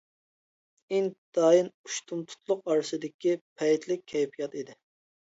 ئىنتايىن ئۇشتۇمتۇتلۇق ئارىسىدىكى پەيتلىك كەيپىيات ئىدى.